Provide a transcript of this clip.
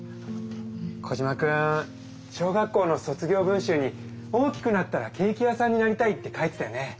コジマくん小学校の卒業文集に「大きくなったらケーキ屋さんになりたい」って書いてたよね。